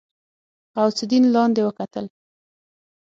غوث الدين لاندې وکتل.